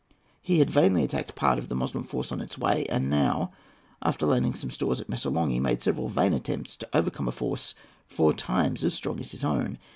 He had vainly attacked a part of the Moslem force on its way, and now, after landing some stores at Missolonghi, made several vain attempts to overcome a force four times as strong as his own.